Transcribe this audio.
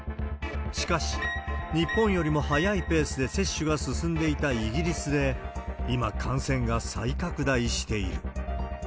しかし、日本よりも早いペースで接種が進んでいたイギリスで、今、感染が再拡大している。